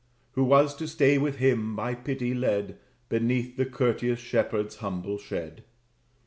Who was to stay with him, by pity led, Beneath the courteous shepherd's humble shed.